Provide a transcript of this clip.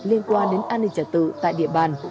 liên quan đến an ninh trả tự tại địa bàn